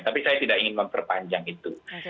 tapi saya tidak ingin memperpanjang itu